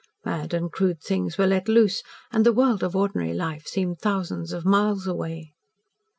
Mad and crude things were let loose, and the world of ordinary life seemed thousands of miles away.